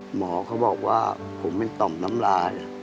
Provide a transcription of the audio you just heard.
หมอเค้าบอกว่าผมแท้ต่อน้ำราย